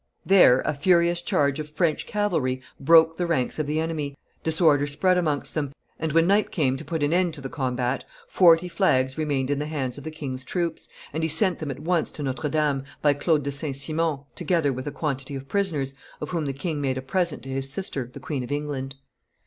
There, a furious charge of French cavalry broke the ranks of the enemy, disorder spread amongst them, and when night came to put an end to the combat, forty flags remained in the hands of the king's troops, and he sent them at once to Notre Dame, by Claude de St. Simon, together with a quantity of prisoners, of whom the King made a present to his sister, the Queen of England.